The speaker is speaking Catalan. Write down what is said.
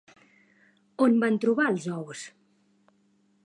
On van trobar els ous?